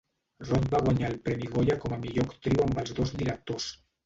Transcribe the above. Roth va guanyar el Premi Goya com a millor actriu amb els dos directors.